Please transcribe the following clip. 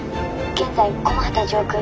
現在駒畠上空。